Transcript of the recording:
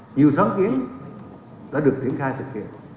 nhiều sáng kiến đã được triển khai thực hiện